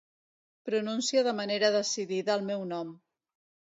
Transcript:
Pronuncia de manera decidida el meu nom.